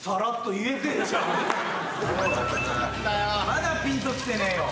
まだぴんときてねえよ。